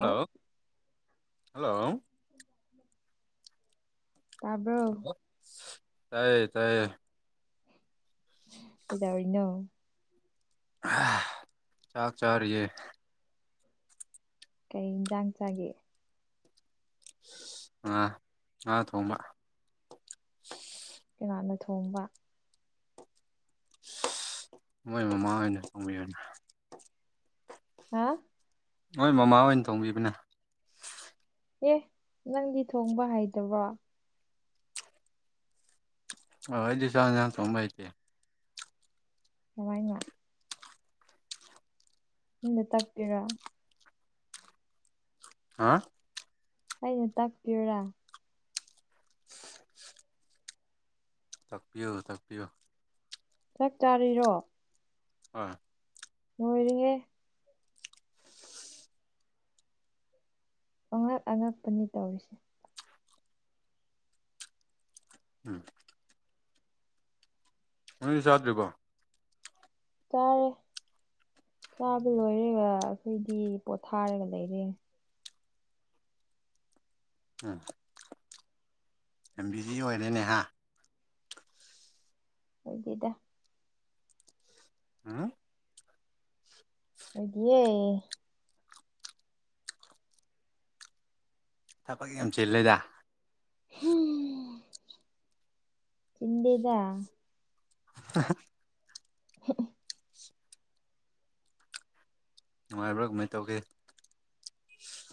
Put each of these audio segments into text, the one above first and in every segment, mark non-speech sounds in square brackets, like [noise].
hello hello hello ꯇꯥꯕ꯭ꯔꯣ hello ꯇꯥꯏꯌꯦ ꯇꯥꯏꯌꯦ ꯀꯩꯗꯧꯔꯤꯅꯣ ꯆꯥꯛ ꯆꯥꯔꯤꯌꯦ ꯀꯩ ꯌꯦꯟꯁꯥꯡ ꯆꯥꯒꯦ ꯑꯥ ꯉꯥ ꯊꯣꯡꯕ ꯍꯥꯟꯅ ꯊꯣꯡꯕ ꯃꯣꯏ ꯃꯃꯥ ꯍꯣꯏꯅ ꯇꯣꯡꯕꯤꯔꯤꯅꯦ ꯍꯥ ꯍꯣꯏ ꯃꯃꯥ ꯍꯣꯏꯅ ꯊꯣꯡꯕꯤꯕꯅꯦ ꯑꯦ ꯅꯪꯗꯤ ꯊꯣꯡꯕ ꯍꯩꯇꯕ꯭ꯔꯣ ꯑꯣ ꯑꯩꯗꯤ ꯆꯥꯛ ꯍꯦꯟꯁꯥꯡ ꯊꯣꯡꯕ ꯍꯩꯇꯦ ꯀꯃꯥꯏꯅ ꯏꯅ ꯇꯛꯄꯤꯔꯥ ꯍꯥ ꯑꯩꯅ ꯇꯥꯛꯄꯤꯌꯨꯔꯥ ꯇꯥꯛꯄꯤꯌꯨ ꯇꯥꯛꯄꯤꯌꯨ ꯆꯥꯛ ꯆꯥꯔꯤꯔꯣ ꯍꯣꯏ ꯂꯣꯏꯔꯦꯍꯦ ꯑꯉꯛ ꯑꯉꯛꯄꯅꯤ ꯇꯧꯔꯤꯁꯦ ꯎꯝ ꯅꯪꯗꯤ ꯆꯥꯗ꯭ꯔꯤꯕꯣ ꯆꯥꯔꯦ ꯆꯥꯕ ꯂꯣꯏꯔꯒ ꯑꯩꯈꯣꯏꯗꯤ ꯄꯣꯊꯥꯔꯒ ꯂꯩꯔꯦ ꯎꯝ ꯌꯥꯝ ꯕꯤꯖꯤ ꯑꯣꯏꯔꯦꯅꯦ ꯍꯥ ꯑꯣꯏꯗꯦꯗ ꯎꯝ ꯑꯣꯢꯗꯤꯌꯦ ꯊꯕꯛ ꯌꯥꯝ ꯆꯤꯜꯂꯦꯗ ꯍꯨꯨꯝ ꯆꯤꯟꯗꯦꯗ ꯍꯍ ꯍ ꯅꯨꯡꯉꯥꯏꯕ꯭ꯔꯥ ꯀꯃꯥꯏ ꯇꯧꯒꯦ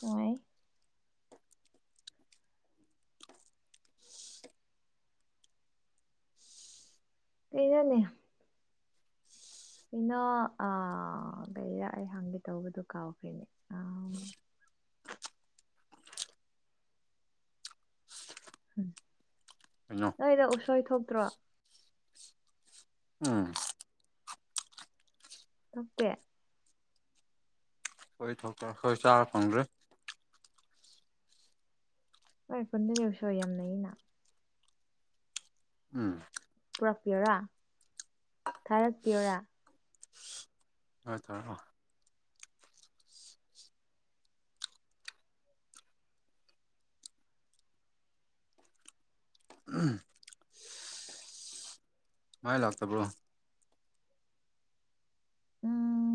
ꯅꯨꯉꯥꯢ ꯀꯩꯅꯣꯅꯦ ꯀꯩꯅꯣ ꯑꯥ ꯀꯩꯔ ꯑꯩ ꯍꯪꯒꯦ ꯇꯧꯕꯗꯣ ꯀꯥꯎꯈ꯭ꯔꯦꯅꯦ ꯑꯥ ꯀꯩꯅꯣ ꯅꯣꯢꯗꯣ ꯎꯁꯣꯏ ꯊꯣꯛꯇ꯭ꯔꯣ ꯎꯝ ꯊꯣꯛꯇꯦ ꯍꯣꯏ ꯊꯣꯛꯇꯦ ꯈꯣꯏ ꯆꯥꯕ ꯐꯪꯗ꯭ꯔꯦ ꯈꯣꯢ ꯈꯨꯟꯗꯗꯤ ꯎꯁꯣꯢ ꯌꯥꯝ ꯂꯩꯅ ꯎꯝ ꯔꯛꯄꯤꯌꯣꯔꯥ ꯊꯥꯔꯛꯄꯤꯌꯣꯔꯥ ꯍꯣꯏ ꯊꯥꯔꯛꯑꯣ ꯑꯍꯝ ꯃꯥꯏ ꯂꯥꯛꯇꯕ꯭ꯔꯣ ꯎꯝ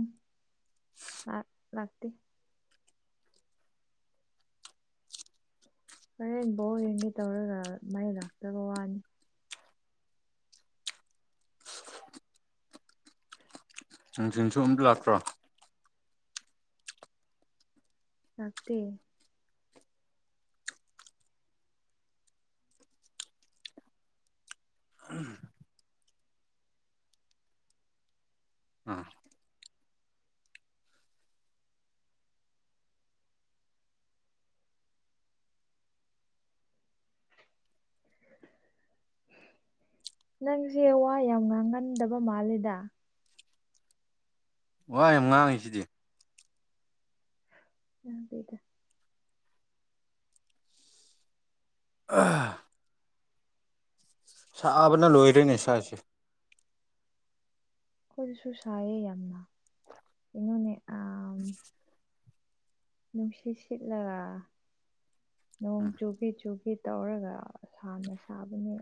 ꯂꯥꯛ- ꯂꯥꯛꯇꯦ ꯍꯣꯔꯦꯟ ꯕꯣꯜ ꯌꯦꯡꯒꯦ ꯇꯧꯔꯒ ꯃꯩ ꯂꯥꯛꯇꯕ ꯋꯥꯅꯦ ꯅꯨꯡꯊꯤꯟꯁꯨ ꯑꯝꯇ ꯂꯥꯛꯇ꯭ꯔꯣ ꯂꯥꯛꯇꯦ ꯑꯥ [inaudible] ꯅꯪꯁꯦ ꯋꯥ ꯌꯥꯝ ꯉꯥꯡꯒꯟꯗꯕ ꯃꯥꯜꯂꯦꯗ ꯋꯥ ꯌꯥꯝ ꯉꯥꯡꯉꯤ ꯁꯤꯗꯤ ꯉꯥꯡꯗꯦꯗ ꯑ ꯁꯥꯕꯅ ꯂꯣꯏꯔꯦꯅꯦ ꯁꯥꯁꯦ ꯈꯣꯏꯁꯨ ꯁꯥꯏꯑꯦ ꯌꯥꯝꯅ ꯀꯩꯅꯣꯅꯦ ꯑ ꯅꯨꯡꯁꯤꯠ ꯁꯤꯠꯂꯒ ꯅꯣꯡ ꯎꯝ ꯆꯨꯕꯤꯠ ꯆꯨꯕꯤꯠ ꯇꯧꯔꯒ ꯁꯥꯅ ꯁꯥꯕꯅꯦ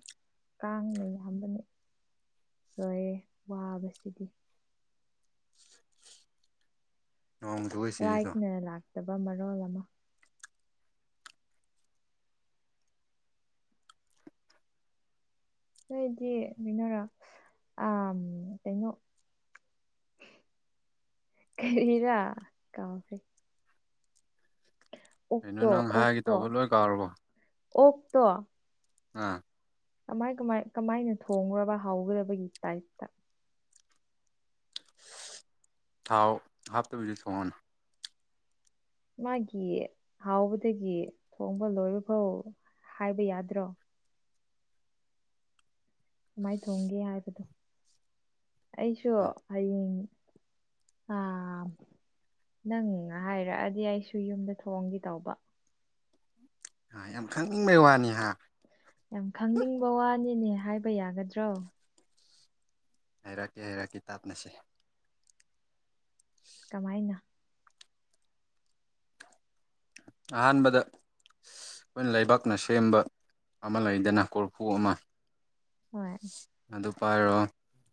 ꯀꯥꯡꯅ ꯌꯥꯝꯕꯅꯦ ꯂꯣꯏꯔꯦ ꯋꯥꯕꯁꯤꯗꯤ ꯅꯣꯡ ꯆꯨꯏ ꯁꯤꯗꯁꯨ ꯂꯥꯏꯠꯅ ꯂꯥꯛꯇꯕ ꯃꯔꯣꯜ ꯑꯃ ꯅꯣꯏꯗꯤ ꯃꯤꯅꯔꯥ ꯑꯝ ꯀꯩꯅꯣ ꯀꯔꯤꯔꯥ ꯀꯥꯎꯈ꯭ꯔꯦ ꯀꯩꯅꯣ ꯑꯣꯛꯇꯣ ꯅꯪ ꯍꯥꯏꯒꯦ ꯑꯣꯛꯇꯣ ꯇꯧꯕ ꯂꯣꯏ ꯀꯥꯎꯔꯕꯣ ꯑꯣꯛꯇꯣ ꯑꯥ ꯀꯃꯥꯏ ꯀꯃꯥꯏ ꯀꯃꯥꯏꯅ ꯊꯣꯡꯕ꯭ꯔꯕ ꯍꯥꯎꯒꯗꯕꯒꯤ ꯇꯥꯏꯞꯇ ꯊꯥꯎ ꯍꯥꯞꯇꯕꯤꯗ ꯊꯣꯡꯉꯨꯅꯦ ꯃꯥꯒꯤ ꯍꯥꯎꯕꯗꯒꯤ ꯊꯣꯡꯕ ꯂꯣꯏꯕꯐꯥꯎ ꯍꯥꯏꯕ ꯌꯥꯗ꯭ꯔꯣ ꯀꯃꯥꯏ ꯊꯣꯡꯒꯦ ꯍꯥꯏꯕꯗꯣ ꯑꯩꯁꯨ ꯎꯝ ꯍꯌꯦꯡ ꯑꯥ ꯅꯪ ꯍꯥꯏꯔꯛꯑꯗꯤ ꯑꯩꯁꯨ ꯌꯨꯝꯗ ꯊꯣꯡꯒꯦ ꯇꯧꯕ ꯑꯥ ꯌꯥꯝ ꯈꯪꯅꯤꯡꯕꯩ ꯋꯥꯅꯤ ꯍꯥ ꯌꯥꯝ ꯈꯪꯅꯤꯡꯕ ꯋꯥꯅꯤꯅꯦ ꯍꯥꯏꯕ ꯌꯥꯒꯗ꯭ꯔꯣ ꯍꯩꯔꯛꯀꯦ ꯍꯩꯔꯛꯀꯦ ꯇꯥꯞꯅꯁꯦ ꯀꯃꯥꯏꯅ ꯑꯍꯥꯟꯕꯗ ꯑꯩꯈꯣꯏꯅ ꯂꯩꯕꯥꯛꯅ ꯁꯦꯝꯕ ꯑꯃ ꯂꯩꯗꯅ ꯀꯣꯔꯐꯨ ꯑꯃ ꯍꯣꯏ ꯑꯗꯨ ꯄꯥꯏꯔꯣ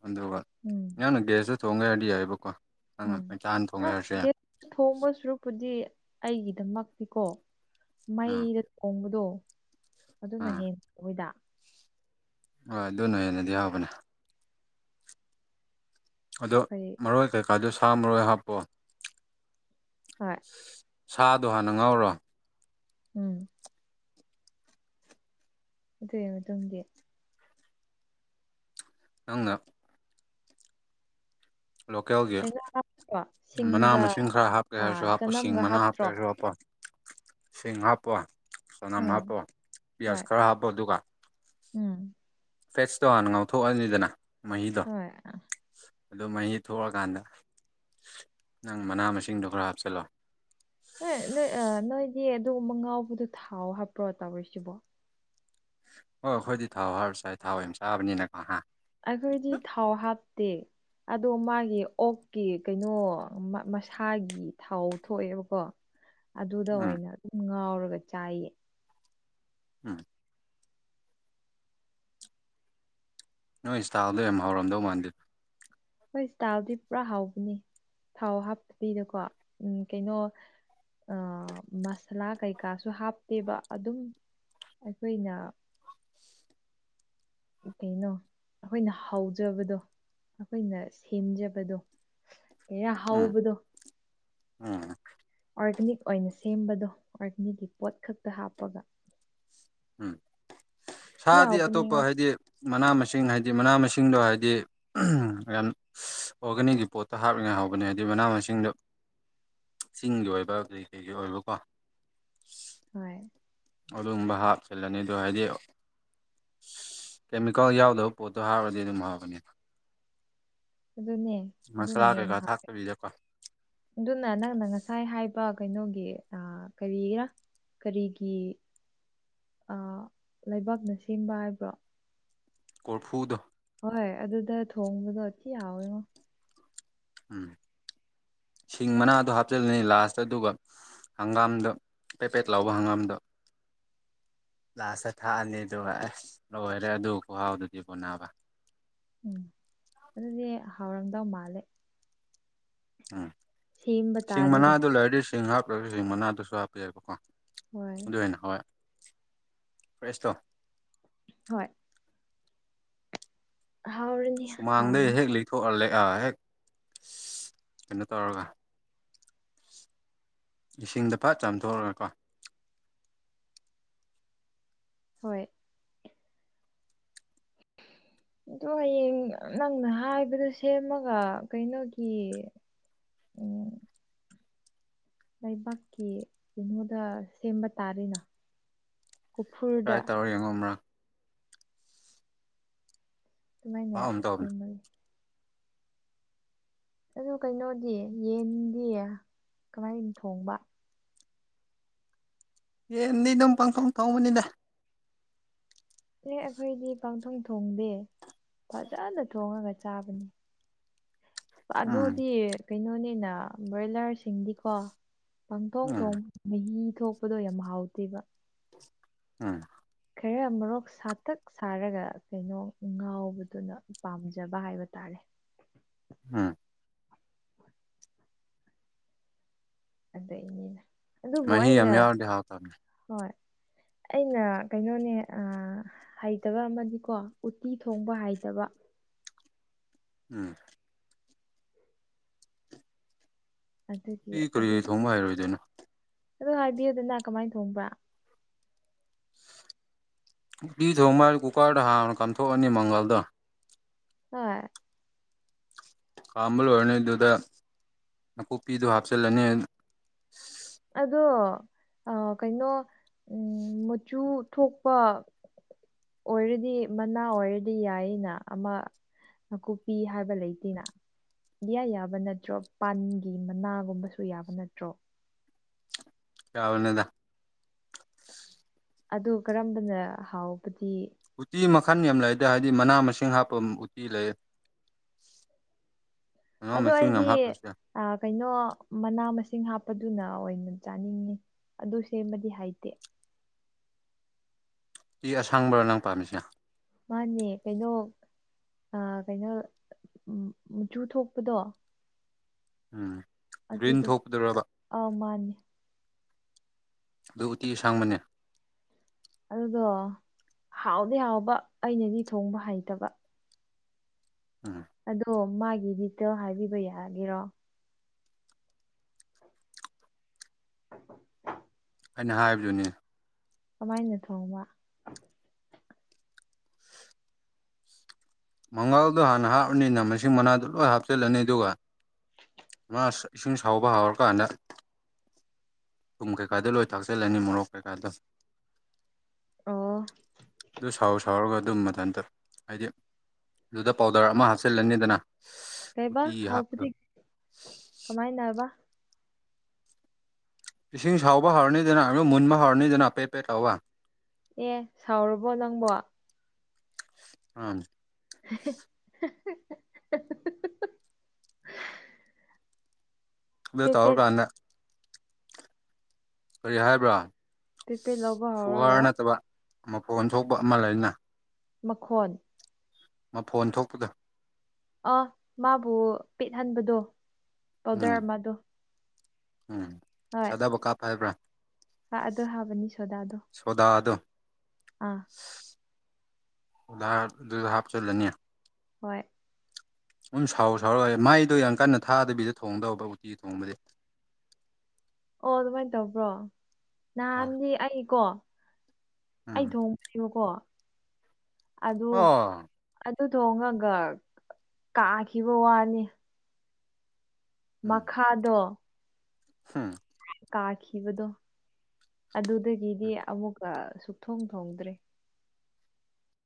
ꯑꯗꯨꯒ ꯎꯝ ꯅꯪꯅ ꯒ꯭ꯌꯥꯁꯇ ꯊꯣꯡꯒꯦ ꯍꯥꯏꯗꯤ ꯌꯥꯏꯑꯕꯀꯣ ꯅꯪꯅ ꯎꯝ ꯃꯩꯇꯥꯟ ꯊꯣꯡꯒꯦ ꯑꯥ ꯍꯥꯏꯔꯁꯨ ꯌꯥꯏ ꯒꯦꯁꯇ ꯊꯣꯡꯕ ꯁꯨꯔꯨꯄꯨꯗꯤ ꯑꯩꯒꯤꯗꯃꯛꯇꯤꯀꯣ ꯑꯥ ꯃꯩꯗ ꯊꯣꯡꯕꯗꯣ ꯑꯗꯨꯅ ꯑꯥ ꯍꯦꯟꯅ ꯑꯩꯈꯣꯏꯗ ꯍꯣꯏ ꯑꯗꯨꯅ ꯍꯦꯟꯅꯗꯤ ꯍꯥꯎꯕꯅꯦ ꯑꯗꯣ ꯑꯩꯈꯣꯏ ꯃꯔꯣꯏ ꯀꯩꯀꯥꯗꯣ ꯁꯥ ꯃꯔꯣꯏ ꯍꯥꯞꯄꯣ ꯍꯣꯏ ꯁꯥꯗꯣ ꯍꯥꯟꯅ ꯉꯧꯔꯣ ꯎꯝ ꯑꯗꯨ ꯃꯇꯨꯡꯗꯤ ꯅꯪꯅ ꯂꯣꯀꯦꯜꯒꯤ ꯀꯩꯅꯣ ꯍꯥꯞꯇ꯭ꯔꯣ ꯃꯅꯥ ꯁꯤꯡꯒ ꯃꯁꯤꯡ ꯈꯔ ꯍꯥꯞꯀꯦ ꯍꯥꯏꯔꯁꯨ ꯑꯥ ꯍꯥꯞꯄ ꯁꯤꯡ ꯆꯅꯝꯒ ꯃꯅꯥ ꯍꯥꯞꯀꯦ ꯍꯥꯞꯇ꯭ꯔꯣ ꯍꯥꯏꯔꯁꯨ ꯍꯥꯞꯄꯣ ꯁꯤꯡ ꯍꯥꯞꯄꯣ ꯆꯅꯝ ꯑꯥ ꯍꯥꯞꯄꯣ ꯄꯤꯌꯥꯁ ꯍꯣꯏ ꯈꯔ ꯍꯥꯞꯄꯣ ꯑꯗꯨꯒ ꯎꯝ ꯐꯦꯁꯇꯣ ꯍꯥꯟꯅ ꯉꯥꯎꯊꯣꯛꯑꯅꯤꯗꯅ ꯃꯍꯤꯗꯣ ꯍꯣꯏ ꯑꯗꯨ ꯃꯍꯤ ꯊꯣꯛꯑꯀꯥꯟꯗ ꯅꯪ ꯃꯅꯥ ꯃꯁꯤꯡꯗꯣ ꯈꯔ ꯍꯥꯞꯆꯤꯜꯂꯣ ꯍꯣꯏ ꯅꯣꯏ ꯅꯣꯏꯗꯤ ꯑꯗꯨꯒꯨꯝꯕ ꯉꯥꯎꯕꯗꯣ ꯊꯥꯎ ꯍꯥꯏꯄ꯭ꯔꯣ ꯇꯧꯔꯤꯁꯤꯕꯣ ꯑꯣ ꯑꯩꯈꯣꯏꯗꯤ ꯊꯥꯎ ꯍꯞꯔꯥ ꯆꯥꯏ ꯊꯥꯎ ꯌꯥꯝ ꯆꯥꯕꯅꯤꯅꯀꯣ ꯍꯥ ꯇꯦ ꯑꯗꯣ ꯃꯥꯒꯤ ꯑꯣꯛꯀꯤ ꯀꯩꯅꯣ ꯃꯁꯥꯒꯤ ꯊꯥꯎ ꯊꯣꯛꯑꯦꯕꯀꯣ ꯑꯗꯨꯗ ꯎꯝ ꯑꯣꯏꯅ ꯑꯗꯨꯝ ꯉꯥꯎꯔꯒ ꯆꯥꯏꯌꯦ ꯎꯝ ꯅꯣꯏ ꯏꯟꯁꯇꯥꯜꯗꯣ ꯌꯥꯝ ꯍꯧꯔꯝꯗꯧ ꯃꯥꯟꯗꯦ ꯍꯣꯏ ꯏꯁꯇꯥꯜꯗꯤ ꯄꯨꯔꯥ ꯍꯥꯎꯕꯅꯤ ꯊꯥꯎ ꯍꯥꯞꯇꯕꯤꯗꯀꯣ ꯎꯝ ꯀꯩꯅꯣ ꯑꯥ ꯃꯁꯥꯂꯥ ꯀꯩꯀꯥꯁꯨ ꯍꯥꯞꯇꯦꯕ ꯑꯗꯨꯝ ꯑꯩꯈꯣꯏꯅ ꯀꯩꯅꯣ ꯑꯩꯈꯣꯏꯅ ꯍꯥꯎꯖꯕꯗꯣ ꯑꯩꯈꯣꯏꯅ ꯁꯦꯝꯖꯕꯗꯣ ꯀꯩꯌ ꯎꯝ ꯍꯥꯎꯕꯗꯣ ꯎꯝ ꯑꯣꯔꯒꯥꯅꯤꯛ ꯑꯣꯏꯅ ꯁꯦꯝꯕꯗꯣ ꯑꯣꯔꯒꯥꯅꯤꯛꯀꯤ ꯄꯣꯠ ꯈꯛꯇ ꯍꯥꯞꯄꯒ ꯎꯝ ꯊꯤ ꯁꯥꯗꯤ ꯍꯥꯎꯕꯅꯦꯉꯣ ꯑꯇꯣꯞꯄ ꯍꯥꯏꯗꯤ ꯃꯅꯥ ꯃꯁꯤꯡ ꯍꯥꯏꯗꯤ ꯍꯥꯏꯗꯤ ꯃꯅꯥ ꯃꯁꯤꯡꯗꯣ ꯍꯥꯏꯗꯤ ꯌꯥꯝ ꯑꯣꯔꯒꯥꯅꯤꯛꯀꯤ ꯄꯣꯠꯇ ꯍꯥꯞꯂꯤꯉꯥꯏ ꯍꯥꯎꯕꯅꯦ ꯍꯥꯏꯗꯤ ꯃꯅꯥ ꯃꯁꯤꯡꯗꯣ [inaudible] ꯆꯤꯡꯒꯤ ꯑꯣꯏꯕ ꯀꯩ ꯀꯩꯒꯤ ꯑꯣꯏꯕꯀꯣ ꯍꯣꯏ ꯑꯗꯨꯒꯨꯝꯕ ꯍꯥꯞꯆꯤꯜꯂꯅꯤ ꯑꯗꯣ ꯍꯥꯏꯗꯤ ꯀꯦꯃꯤꯀꯦꯜ ꯌꯥꯎꯗꯕ ꯄꯣꯠꯇꯣ ꯍꯥꯞꯔꯗꯤ ꯑꯗꯨꯝ ꯍꯥꯥꯎꯒꯅꯤ ꯑꯗꯨꯅꯦ ꯑꯗꯨꯅ ꯍꯦꯟꯅ ꯀꯩꯀꯥ ꯍꯥꯎꯋꯦ ꯊꯥꯛꯇꯕꯤꯗꯀꯣ ꯑꯗꯨꯅ ꯅꯪꯅ ꯉꯁꯥꯏ ꯍꯥꯏꯕ ꯀꯩꯅꯣꯒꯤꯑꯥ ꯀꯔꯤꯔꯥ ꯀꯔꯤꯒꯤ ꯑꯥ ꯂꯩꯕꯥꯛꯅ ꯁꯦꯝꯕ ꯍꯥꯏꯕ꯭ꯔꯣ ꯀꯣꯔꯐꯨꯗꯣ ꯍꯣꯏ ꯑꯗꯨꯗ ꯊꯣꯡꯕꯗꯣ ꯊꯤ ꯍꯥꯎꯋꯦꯉꯣ ꯎꯝ ꯁꯤꯡ ꯃꯅꯥꯗꯣ ꯍꯥꯞꯆꯜꯂꯅꯤ ꯂꯥꯁꯇ ꯑꯗꯨꯒ ꯍꯪꯒꯥꯝꯗꫭ ꯄꯦꯠ ꯄꯦꯠ ꯂꯥꯎꯕ ꯍꯪꯒꯥꯝꯗꯣ ꯂꯥꯁꯇ ꯊꯥꯛꯑꯅꯤ ꯑꯗꯨꯒ ꯑꯁ ꯂꯣꯏꯔꯦ ꯑꯗꯨ ꯈꯨꯍꯥꯎꯗꯨꯗꯤ ꯕꫭ ꯅꯥꯕ ꯎꯝ ꯑꯗꯨꯅꯦ ꯍꯥꯎꯔꯝꯗꯧ ꯃꯥꯜꯂꯦ ꯎꯝ ꯁꯦꯝꯕ ꯁꯤꯡ ꯇꯥꯔꯦꯅꯦ ꯃꯅꯥꯗꯨ ꯂꯩꯔꯗꯤ ꯁꯤꯡ ꯉꯥꯏꯍꯥꯛ [unintelligible] ꯁꯤꯡ ꯃꯅꯥꯗꯨꯁꯨ ꯍꯥꯞꯄ ꯌꯥꯏꯕꯀꫭ ꯍꯣꯏ ꯑꯗꯨ ꯍꯦꯟꯅ ꯍꯥꯎꯋꯦ ꯄ꯭ꯔꯦꯁꯇꯣ ꯍꯣꯏ ꯍꯥꯎꯔꯅꯤ ꯁꯨꯃꯥꯡꯗ ꯍꯥꯎꯔꯅꯤ ꯍꯦꯛ ꯂꯩꯊꯣꯛꯑ [unintelligible] ꯍꯦꯛ ꯀꯩꯅꯣ ꯇꯧꯔꯒ ꯏꯁꯤꯡꯗ ꯐꯠ ꯆꯥꯝꯊꯣꯛꯔꯒꯀꯣ ꯍꯣꯏ [inaudible] ꯑꯗꯨ ꯍꯌꯦꯡ ꯅꯪꯅ ꯍꯥꯏꯕꯗꯨ ꯁꯦꯝꯃꯒ ꯀꯩꯅꯣꯒꯤ ꯑꯣ ꯂꯩꯕꯥꯛꯀꯤ ꯀꯩꯅꯣꯗ ꯁꯦꯝꯕ ꯇꯥꯔꯦꯅ ꯀꯨꯐꯨꯔꯗ ꯇ꯭ꯔꯥꯏ ꯇꯧꯔ ꯌꯦꯡꯉꯣ ꯑꯃꯔꯛ ꯑꯗꯨꯝꯃꯥꯏꯅ ꯈꯨꯍꯥꯎ ꯑꯃ ꯇꯧꯕꯅꯦ ꯁꯦꯝꯃꫭ ꯑꯗꫭ ꯀꯩꯅꯣꯗꯤ ꯌꯦꯟꯗꯤ ꯀꯝꯃꯥꯏꯟ ꯊꯣꯡꯕ ꯌꯦꯟꯗꯤ ꯑꯗꯨꯝ ꯄꯪꯊꯣꯡ ꯊꯣꯡꯕꯅꯤꯗ ꯑꯦ ꯑꯩꯈꯣꯏꯗꯤ ꯄꯡꯊꯣꯡ ꯊꯣꯡꯗꯦ ꯐꯖꯅ ꯊꯣꯡꯉꯒ ꯆꯥꯕꯅꯤ ꯎꯝ ꯑꯗꯨꯗꯤ ꯀꯩꯅꯣꯅꯤꯅ ꯕ꯭ꯔꯣꯏꯂꯔꯁꯤꯡꯗꯤꯀꯣ ꯄꯪꯊꯣꯡ ꯎꯝ ꯊꯣꯡ ꯃꯍꯤ ꯊꯣꯛꯄꯗꯣ ꯌꯥꯝ ꯍꯥꯎꯇꯦꯕ ꯎꯝ ꯈꯔ ꯃꯣꯔꫭꯛ ꯁꯥꯇꯛ ꯁꯥꯔꯒ ꯀꯩꯅꯣ ꯉꯥꯎꯕꯗꯨꯅ ꯄꯥꯝꯖꯕ ꯍꯥꯏꯕ ꯇꯥꯔꯦ [inaudible] [unintelligible] [inaudible] ꯑꯗꯨꯏꯅꯤꯗ ꯑꯗꯨꯕꯨ ꯃꯍꯤ ꯌꯥꯝ ꯑꯩꯅ ꯌꯥꯎꯔꯗꯤ ꯍꯥꯎꯇꯕꯅꯦ ꯍꯣꯏ ꯑꯩꯅ ꯀꯩꯅꯣꯅꯦ ꯍꯩꯇꯕ ꯑꯃꯗꯤꯀꯣ ꯎꯠꯇꯤ ꯊꯣꯡꯕ ꯍꯩꯇꯕ [inaudible] ꯎꯝ ꯑꯗꯨꯒꯤ ꯎꯇꯤ ꯀꯔꯤꯒꯤ ꯊꯣꯡꯕ ꯍꯩꯔꯣꯏꯗꫭꯏꯅꯣ ꯑꯗꫭ ꯍꯥꯏꯕꯤꯌꯨꯗꯅ ꯀꯝꯃꯥꯏ ꯊꯣꯡꯕ꯭ꯔ ꯎꯇꯤ ꯊꯣꯡꯕ ꯍꯥꯏꯕꯨ ꯀꯨꯀꯔꯗ ꯍꯥꯟꯅ ꯀꯥꯝꯊꯣꯛꯑꯅꯤ ꯃꯪꯒꯜꯗꫭ ꯍꯣꯏ ꯀꯥꯝꯕ ꯂꯣꯏꯔꯅꯤ ꯑꯗꯨꯗ ꯅꯥꯀꯨꯞꯄꯤꯗꫭ ꯍꯥꯞꯆꯜꯂꯅꯤ ꯑꯗꯣ ꯑ ꯀꯩꯅꯣ ꯎꯝ ꯃꯆꯨ ꯊꯣꯛꯄ ꯑꯣꯏꯔꯗꯤ ꯃꯅꯥ ꯑꯣꯏꯔꯗꯤ ꯌꯥꯏꯌꯦꯅ ꯑꯃ ꯅꯥꯀꯨꯞꯄꯤ ꯍꯥꯏꯕ ꯂꯩꯇꯦꯅ ꯏꯌꯥ ꯌꯥꯕ ꯅꯠꯇ꯭ꯔꯣ ꯄꯥꯟꯒꯤ ꯃꯅꯥꯒꯨꯝꯕꯁꯨ ꯌꯥꯕ ꯅꯠꯇ꯭ꯔꯣ ꯌꯥꯥꯕꯅꯦꯗ ꯑꯗꯨ ꯀꯔꯝꯕꯅ ꯍꯥꯎꯕꯗꯤ ꯎꯠꯇꯤ ꯃꯈꯜ ꯌꯥꯝ ꯂꯩꯗꯦ ꯍꯥꯏꯗꯤ ꯃꯅꯥ ꯃꯁꯤꯡ ꯍꯥꯞꯄꯝ ꯎꯠꯇꯤ ꯂꯩꯌꯦ ꯑꯗꯣ ꯌꯥꯝ ꯑꯩꯗꯤ ꯍꯥꯞꯄ꯭ꯔꯁꯨ ꯌꯥꯏ ꯑꯥ ꯀꯩꯅꯣ ꯃꯅꯥ ꯃꯁꯤꯡ ꯍꯥꯞ ꯑꯗꯨꯅ ꯑꯣꯏꯅ ꯆꯥꯅꯤꯡꯉꯦ ꯑꯗꯨ ꯁꯦꯝꯕꯗꯤ ꯍꯥꯏꯇꯦ ꯎꯇꯤ ꯑꯁꯪꯕ꯭ꯔ ꯅꯪ ꯄꯥꯝꯃꯤꯁꯤꯅ ꯃꯥꯅꯦ ꯀꯩꯅꯣ ꯑꯥ ꯀꯩꯅꯣ ꯎꯝ ꯃꯨꯆꯨ ꯊꯣꯛꯄꯗꯣ ꯎꯝ ꯒ꯭ꯔꯤꯟ ꯑꯗꯨꯗꯣ ꯊꯣꯛꯄꯗꯨꯔꯕ ꯑꯥ ꯃꯥꯅꯦ ꯑꯗꯨ ꯎꯠꯇꯤ ꯑꯁꯪꯕꯅꯦ ꯑꯗꯨꯗꯣ ꯍꯥꯎꯗꯤ ꯍꯥꯎꯕ ꯑꯩꯅꯗꯤ ꯊꯣꯡꯕ ꯍꯩꯇꯕ ꯎꯝ ꯑꯗꯣ ꯃꯥꯒꯤ ꯗꯤꯇꯦꯜ ꯍꯥꯏꯕꯤꯕ ꯌꯥꯒꯦꯔꯣ ꯑꯩꯅ ꯍꯥꯏꯕꯗꯨꯅꯤ ꯀꯃꯥꯏꯅ ꯊꯣꯡꯕ ꯃꯉꯥꯜꯗꯣ ꯍꯥꯟꯅ ꯍꯥꯞꯔꯅꯤꯅ ꯃꯁꯤꯡ ꯃꯅꯥꯗꯨ ꯂꯣꯏ ꯍꯥꯞꯆꯤꯜꯂꯅꯤ ꯑꯗꯨꯒ ꯃꯥꯁ ꯏꯁꯤꯡ ꯁꯧꯕ ꯍꯧꯔꯀꯥꯟꯗ ꯊꯨꯝ ꯀꯩꯀꯥꯗꯨ ꯂꯣꯏ ꯊꯥꯛꯆꯜꯂꯅꯤ ꯃꯣꯔꯣꯛ ꯀꯩꯀꯥꯗꯣ ꯑꯣ ꯑꯗꯨ ꯁꯧꯁ ꯁꯧꯔꯒ ꯑꯗꯨꯝ ꯃꯊꯟꯇ ꯍꯥꯏꯗꯤ ꯑꯗꯨꯗ ꯄꯥꯎꯗꯔ ꯑꯃꯥ ꯍꯥꯞꯆꯤꯜꯂꯅꯤꯗꯅ ꯀꯩꯕ ꯎꯇꯤ ꯍꯥꯞꯄꯗꯣ ꯍꯥꯎꯄꯗꯤ ꯀꯃꯥꯏꯅ ꯍꯥꯏꯕ ꯏꯁꯤꯡ ꯁꯥꯎꯕ ꯍꯧꯔꯅꯤꯗꯅ ꯑꯗꯨ ꯃꯨꯟꯕ ꯍꯧꯔꯅꯤꯗꯅ ꯄꯦꯠ ꯄꯦꯠ ꯂꯥꯎꯕ ꯑꯦ ꯁꯥꯎꯔꯕꯣ ꯅꯪꯕꯣ [unintelligible] [unintelligible] ꯑꯗꯨ ꯇꯧꯔ ꯄꯦꯄꯦꯠ ꯀꯥꯟꯗ ꯀꯔꯤ ꯍꯥꯏꯕ꯭ꯔꯥ ꯄꯦꯠ ꯄꯦꯠ ꯂꯥꯎꯕ ꯁꯨꯒꯔ ꯍꯧꯔꯒ ꯅꯠꯇꯕ ꯃꯐꯣꯟ ꯊꯣꯛꯄ ꯑꯃꯥ ꯂꯩꯅ ꯃꯈꯣꯟ ꯃꯐꯣꯟ ꯊꯣꯛꯄꯗꯨ ꯑꯣ ꯃꯥꯕꯨ ꯄꯦꯠꯍꯟꯕꯗꯣ ꯄꯥꯎꯗꯔ ꯎꯝ ꯑꯃꯗꯣ ꯎꯝ ꯍꯣꯏ ꯆꯥꯗꯕ ꯀꯥꯞꯄ ꯍꯥꯏꯕ꯭ꯔꯥ ꯍꯥ ꯑꯗꯣ ꯍꯥꯞꯄꯅꯤ ꯁꯣꯗꯥꯗꯣ ꯁꯣꯗꯥꯗꯣ ꯑꯥ [unintelligible] ꯍꯥꯞꯆꯜꯂꯅꯤ ꯍꯣꯏ ꯑꯗꯨꯝ ꯁꯥꯎ ꯁꯥꯎꯔꯒ ꯃꯥꯏꯗꯣ ꯌꯥꯝ ꯀꯟꯅ ꯊꯥꯗꯕꯤꯗ ꯊꯣꯡꯗꯧꯕ ꯎꯠꯇꯤ ꯊꯣꯡꯕꯗꯤ ꯑꯣ ꯑꯗꯨꯃꯥꯏꯟ ꯇꯧꯕ꯭ꯔꯣ ꯅꯍꯥꯟꯗꯤ ꯑꯩꯀꯣ ꯑꯩ ꯎꯝ ꯊꯣꯡ ꯏꯌꯣꯀꯣ ꯑꯣ ꯗꯨ ꯊꯣꯡꯉꯒ ꯀꯥꯈꯤꯕ ꯋꯥꯅꯦ ꯎꯝ ꯃꯈꯥꯗꯣ ꯍꯨꯝ ꯀꯥꯈꯤꯕꯗꯣ ꯑꯗꯨꯗꯒꯤꯗꯤ ꯑꯃꯨꯛꯀ ꯁꯨꯛꯊꯣꯡ ꯊꯣꯡꯗ꯭ꯔꯦ